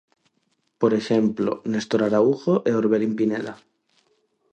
Por exemplo, Néstor Araújo e Orbelín Pineda.